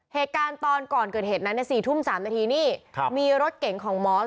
เหตุการณ์ตอนก่อนเกิดเหตุนั้น๔ทุ่ม๓นาทีนี่มีรถเก่งของมอส